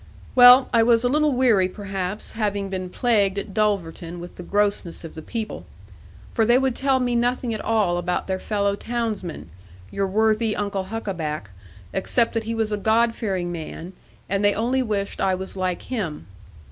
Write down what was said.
Well, I was a little weary perhaps, having been plagued at Dulverton with the grossness of the people. For they would tell me nothing at all about their fellow townsmen, your worthy Uncle Huckaback, except that he was a God fearing man, and they only wished I was like him.